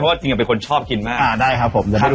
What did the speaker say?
เพราะว่าจริงเป็นคนชอบกินมากอ่าได้ครับผมสำหรับทุกคน